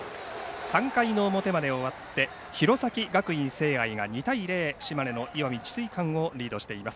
３回の表まで終わって弘前学院聖愛が２対０島根の石見智翠館をリードしています。